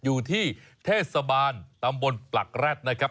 อยู่ที่เทศบาลตำบลปลักแร็ดนะครับ